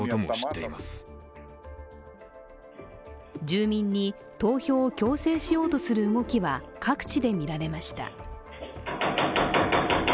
住民に投票を強制しようとする動きは各地で見られました。